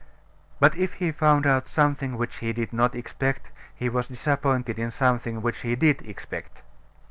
But if he found out something which he did not expect, he was disappointed in something which he did expect.